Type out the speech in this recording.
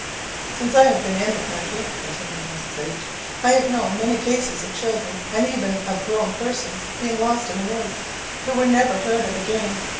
"Since I have been in the country," continued Mrs. H , "I have known many cases of children, and even of grown persons, being lost in the woods, who were never heard of again.